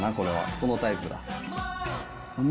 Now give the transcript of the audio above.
そのタイプだ。